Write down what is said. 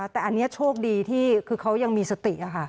แต่อันนี้โชคดีที่คือเขายังมีสติ